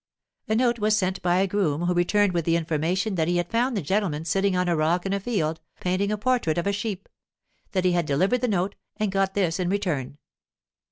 A note was sent by a groom, who returned with the information that he had found the gentleman sitting on a rock in a field, painting a portrait of a sheep; that he had delivered the note, and got this in return.